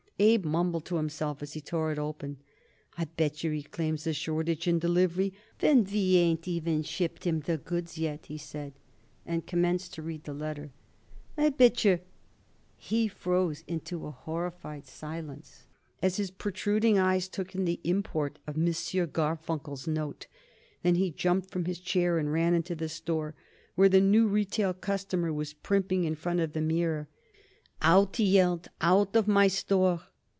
Abe mumbled to himself as he tore it open. "I bet yer he claims a shortage in delivery, when we ain't even shipped him the goods yet," he said, and commenced to read the letter; "I bet yer he " He froze into horrified silence as his protruding eyes took in the import of M. Garfunkel's note. Then he jumped from his chair and ran into the store, where the new retail customer was primping in front of the mirror. "Out," he yelled, "out of my store."